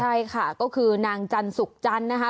ใช่ค่ะก็คือนางจันสุกจันทร์นะคะ